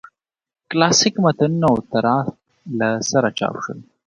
کلاسیک متنونه او تراث له سره چاپ شول.